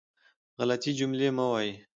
غلطې جملې مه وایئ.